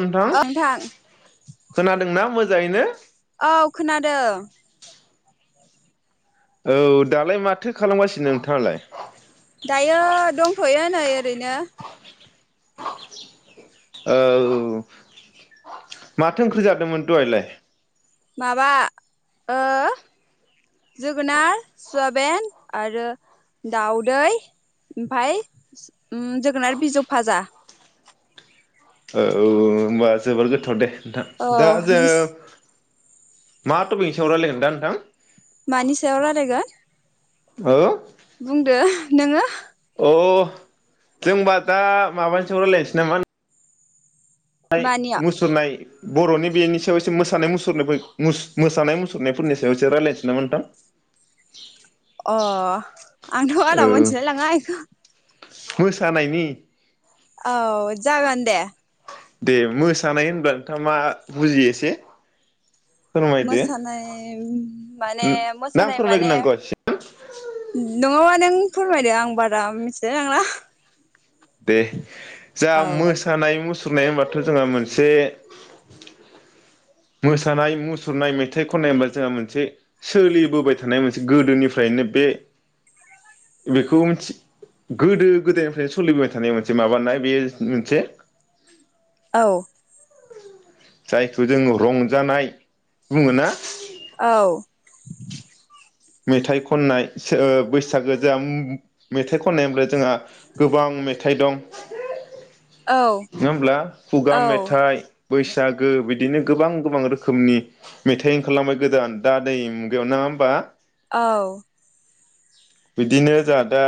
नोंथां खोनादोंना मो जायोना औ खोनादों। औ दालाय माथो खालामगासिनो नोंथाङालाय? दायो दंथ'यो ओरैनो औ माथो ओंख्रि जादोंमोन दहायलाय? माबा ओ जोगोनार सुवाबेन आरो दाउदै ओमफाय जोगोनार बिजौ भाजा। औ होनबा जोबोर गोथाव दे। दा औ दा जो नों मा थफिकनि सायाव रायलायोन दा नोंथां? मानि सायाव रायलायगोन? हो। बुंदो नोङो। अ जों होनबा दा माबानि सायाव रायलायनोसै नामा? [unintelligible] मानियाव मुसुरनाय बर'नि बेनि सायाव एसे मोसानाय मुसुरनाय मोसानाय मुसुरनायफोरनि सायाव एसे रायज्लायनोसै नामा नोंथां? अ आंथ आदा औ मोनथिलाय लाङा इखौ। मोसानायनि औ जागोन दे। दे मोसानाय होनब्ला नोंथाङा मा बुजियो एसे फोरमायदो मोसानाय माने ना आं मोसानाय माने फोरमायग्रोनांगौ नङाबा नों फोरमायदो आं बारा मिथि लांला। दे। जा औ मोसानाय मुसु सुरनाय होमबाथ जोंहा मोनसे मोसानाय मुसुरनाय मेथाइ खननाय होनबा जोंहा मोनसे सोलिबोबाय थानाय मोनसे गोदोनिफ्रायनो बे बेखौ गोदो गोदायनिफ्रायनो सोलिबोबाय थानाय मोनसे माबानाय बे मोनसे औ। जायखौ जोङो रंजानाय बुङो ना। औ। मेथाइ खननाय बैसागो जोंहा मेथाइ खननायनिफ्राय जोंहा गोबां मेथाइ दं। औ नङा होमब्ला खुगा औ मेथाइ बैसागो बिदिनो गोबां गोबां रोखोमनि मेथाइ ओंखारबाय गोदान दा दै मुगायाव नङा होमबा। औ। बिदिनो जोंहा दा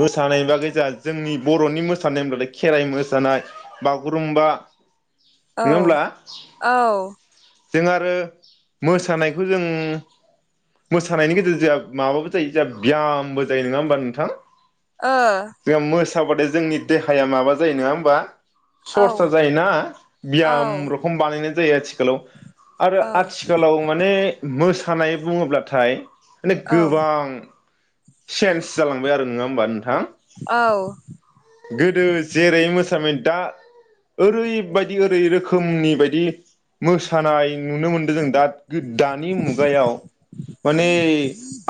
मोसानाय बागै जोंहा जोंनि बर'नि मोसानाय होनब्लाथाय खेराइ मोसानाय बागुरुम्बा नङा औ होमब्ला औ। जों आरो मोसानायखौ जों मोसानायनि गेजेरजों जों माबाबो जायो जों बियामबो जायो नङा होमबा नोंथां? ओ। साबाथाय जोंनि देहाया माबा जायो नङा होमबा? औ सर्सा जायोना औ बियाम रोखोम बानायनाय जायो आथिखालाव आरो आथिखालाव माने मोसानाय बुङोब्लाथाय माने गोबां चेन्स जालांबाय आरो नङा होमबा नों थां गोदो जेरै मोस दा ओरैबायदि ओरै रोखोमनि बायदि मोसानाय नुनो मोनदों जों दा दानि मुगायाव माने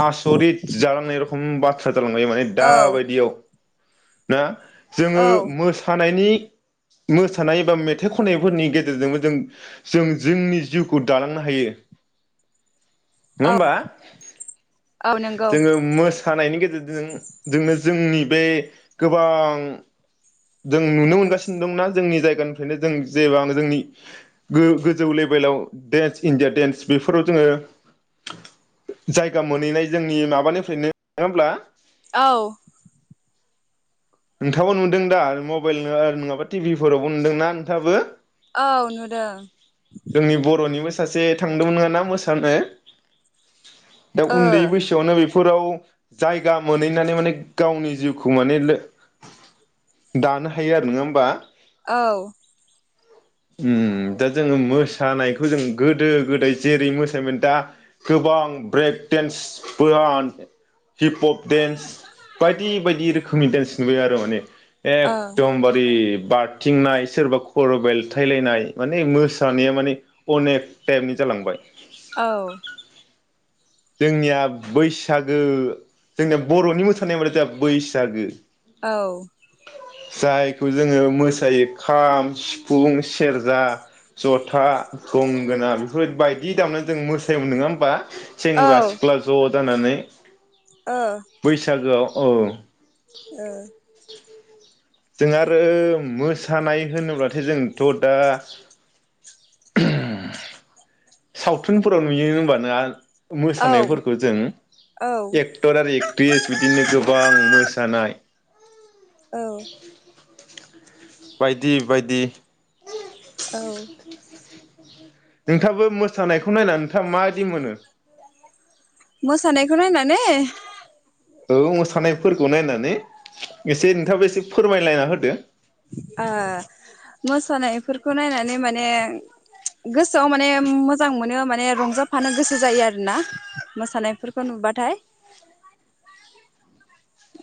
आसरित जालांनाय [unintelligible] [unintelligible] माने दाबायदियाव दा औ जोङो मोसानायनि मोसानाय बा मेथाइ खननायफोरनि गेजेरजोंबो जों जों जोंनि जिउखौ दालांनो हायो। नङा होमबा औ नंगौ जोङो मोसानायनि गेजेरजों जोंनो जोंनि बे [unintelligible] गोबां जों नुनो मोनगासिनो दंना जोंनि जायगानिफ्रायनो जों जेबा जोंनि गो-गोजौ लेभेलाव देन्स इण्डिया दडेन्स बेफोराव जोङो जायगा मोनहैनाय जोंनि माबानिफ्रायनो नोङा होमब्ला औ नोंथाङाबो नुदों दा आरो मबाइलनो आरो नङाबा टिभिफोरावबो नुदोंना नोंथाङाबो? औ नुदों। जोंनि बर'निबो सासे थांदोंमोन नोङाना मोसानो दा ओ उन्दै बैसोआवनो बिफ फोराव जायगा मोनहैनानै माने गावनि जिउखौ माने लो दानो हायो आरो। नोङा होमबा? औ। उम दा जोङो मोसानायखौ जों गोदो गोदाय जेरै मोसायोमोन दा गोबां ब्रेक देन्स बोहान हिप हप डेन्स बायदि बायदि रोख खोमनि देस नुबाय आरो माने। औ एकदमबारि बारथिंनाय सोरबा खर' बेलथायलायनाय माने मोसानाया माने अनेक टाइपनि जालांबाय। औ जोंनिया बैसागो जोंनिया बर'नि मोसानाय होनबाथाइ जोंहा बैसागो। औ जायखौ जोङो मोसायो खाम सिफुं सेरजा जथा गंगोना बेफोर बायदि दामनानै जों मोसायोमोन। नङा होमबा? सेंग्रा औ सिख्ला ज जानानै बैसागोआव औ ओ जों आरो मोसानाय होनोब्लाथाय जोंथ' दा [unintelligible] सावथुनफोराव नुयो होमबा ना मोसानायफोरखौ जों औ एक्टर आरो एक्ट्रिस बिदिनो गोबां मोसानाय औ बायदि बायदि [inaudible] औ नोंथाङाबो मोसानायखौ नायनानै नोंथाङा माबायदि मोनो? ने औ मोसानायफोरखौ नायनानै एसे नोंथाङाबो एसे फोरमायलायना होदो। ओ मोसानायफोरखौ नायनानै माने गोसोआव माने मोजां मोनो माने रंजाफानो गोसो जायो आरोना मोसानायफोरखौ नुबाथाय।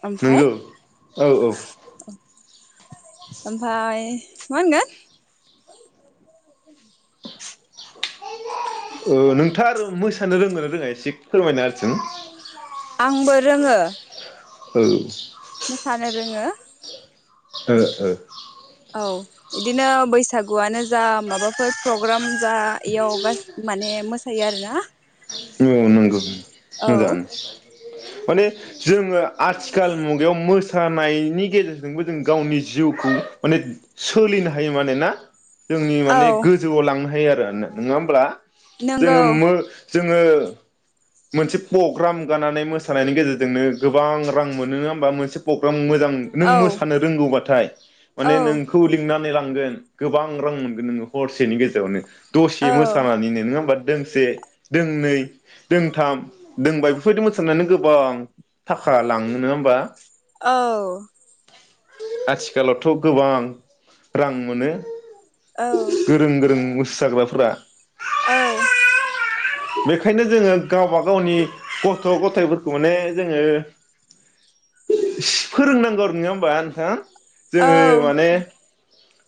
ओमफाय नोंगौ औ औ। ओमफाय मा होनगोन ओ नोंथार मोसानो रोंदोंना रोङा एसे फोरमायना होदसुन। आंबो रोङो। औ मोसानो रोङो। ओ ओ। औ इदिनो बैसागुआनो जा माबा फोर प्रग्राम जा इयाव गास माने मोसायो आर ला औ नोंगौ उम मोजाङानो। माने जोङो आथिखाल मुगायाव मोसानायनि गेजेरजोंबो जों गावनि जिउखौ माने सोलिनो हायो माने। ना? जोंनि औ माने गोजौआव लांनो हायो आ [unintelligible] नङा होमब्ला जोङो नोंगौ मो जोङो मोनसे प्रग्राम गानानै मोसानायनि गेजेरजोंनो गोबां रां मोनो नङा होमबा मोनसे पग्राम मो जां नों औ मोसानो रोंगौबा थाय माने औ नोंखौ लिंनानै लां गोन गोबां रां मोनगोन नोङो हरसेनि गेजेरावनो। दसे औ मोसानानैनो नोङा होमबा! दोंसे दोंनै दोंथाम दोंबा बेफोरबायदि मोसानो गोबां थाखा लाङो। नोङा होमबा? औ आथिखालावथ' गोबां रां मोनो। औ गोरों गोरों मो साग्राफ्रा औ बेखायनो जोङो गाबा गावनि गथ' गथायाइफोरखौ माने जोङो [unintelligible] फोरोंनांगौ आरो। नोङा होनबा नोंथां? औ जोङो माने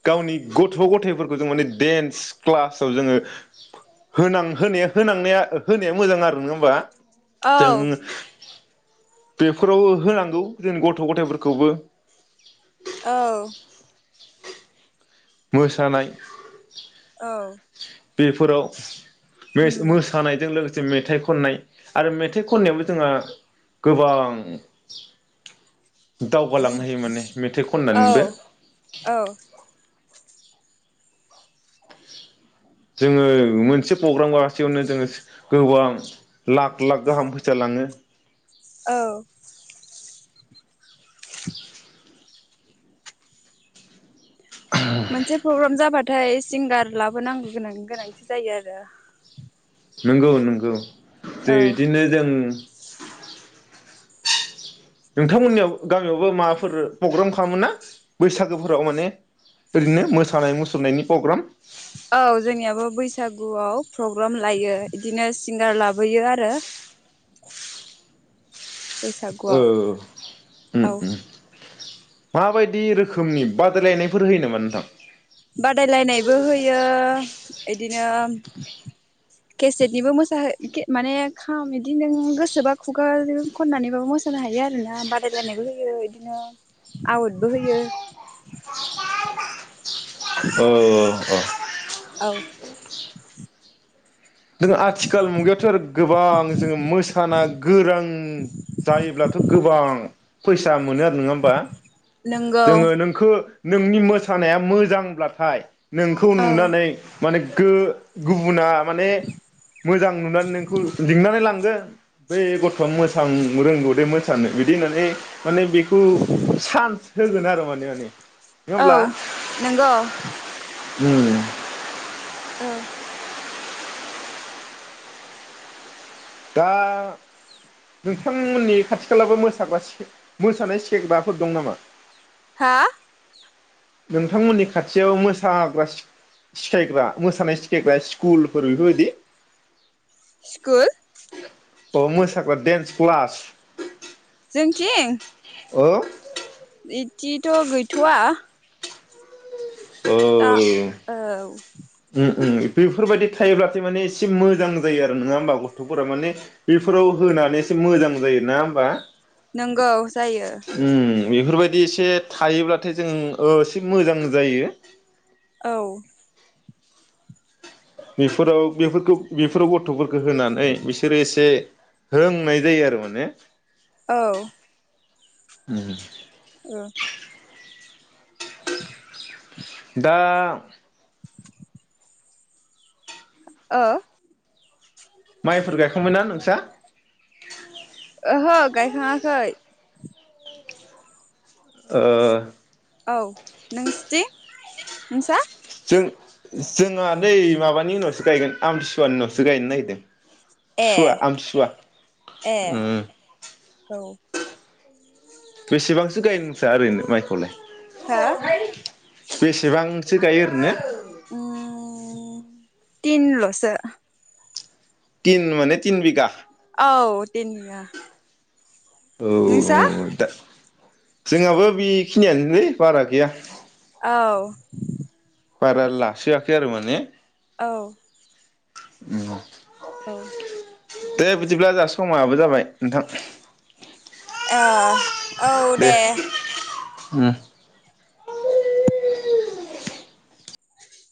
गावनि गथ' गथाइफोरखौ जों माने डेन्स क्लासाव जोङो फो होनां होनाया होनांनाया होनाया मोजां आरो। नङा होमबा? औ जों बेफोराव होनांगौ जों गथ' गथाइफोरखौबो। औ मोसानाय औ बेफोराव मेस उम मोसानायजों लोगोस से मेथाइ खननाय आरो मेथाइ खननायावबो जोंहा गोबां दावगालांनो हायो माने मेथाइ औ खननानैबो। औ जोङो मोनसे पग्राम गागा सेयावनो जोङो गोबां लाख लाख गाहाम फैसा लाङो। औ [inaudible] मोनसे प्रग्राम जाबाथ थाय सिंगार लाबोनांगौ गोनांनि गोनांथि जायो आरो। नोंगौ नोंगौ जे औ इदिनो जों नोंथां मोननियाव गामियावबो माबाफोर पग्राम खालामोन ना बैसागोफोराव माने ओरैनो मोसानाय मुसुरनायनि पग्राम औ जोंनियाबो बैसागुआव प्रग्राम लायो बिदिनो सिंगार लाबोयो आरो। ओ बैसागुआव उम औ। उम माबायदि रोखोमनि बादायलायनायफोर होयो नामा नोंथां? बादायलायनायबो होयो इदिनो केसेटनिबो मोसाहो माने खाम इदि नों गोसोबा खुगों खननानैबाबो मोसानो हायो आरोना बादायलायनायबो होयो बिदिनो आवटबो होयो। औ औ अ औ जों आथिखाल मुगायावथ' गोबां जोङो मोसाना गोरां जायोब्लाथ' गोबां। फैसा मोनो आर नोङा होमबा नोंगौ जोङो नोंखो नोंनि मोसानाया मोजांब्लाथाय नोंखौ औ नुनानै माने गो गुबुना माने मोजां नुनानै नोंखौ लिंनानै लांगोन बै गथ'आ मोसां रोंगौ दै मोसानो बिदि होननानै माने बेखौ सान्स होगोन आरो माने माने नङा औ नोंगौ। हम औ दा नोंथांमोननि खाथि खालाबो मोसानाय से मोसानाय सिखायग्राफोर दं नामा? हा नोंथांमोननि खाथियाव मोसाग्रा सि सिखायग्रा मोसानाय सिखायग्रा स्कुलफोर बेफोरबायदि स्कुल अ मोसाग्रा देन्स क्लास जोंथिं? अ इदिथ' गैथ'वा‌। दा औ औ उम उम बेफोरबायदि थायोब्लाथि माने एसे मोजां जायो आरो नङा होमबा गथ'फोरा माने बेफोराव होनानै एसे मोजां जायो नङा होमबा? नोंगौ जायो। उम बेफोरबायदि एसे थायोब्लाथाय जों ओ एसे मोजां जायो। औ बेफोराव बेफोरखौ बेफोराव गथ'फोरखो होनानै बिसोरो एसे रोंनाय जायो आरो माने। औ। उम। ओ दा ओ माइफोर गायखांबायना नोंसा? ओहो गायखाङाखै ओ औ नोंसिथिं? नोंसा जों जोंहा नै माबानि उनावसो गायगोन आमथिसुवा नि उनावसो गायनो नागिरदों। ए सुवा आमथिसुवा ए उम औ। बेसेबांसो गाय नोंस्रा ओरैनो माइखौलाय? हो [unintelligible] बेसेबांसो गायो ओरैनो? तिन लसो। तिन माने तिन बिगा! औ बिघा। औ दा जोंहाबो बेखिनियानलै बारा गैया। औ बारा लासोयाखै आरो माने औ उम औ दे बिदिब्ला जोहा समाबो जाबाय नोंथां। ए औ दे। उम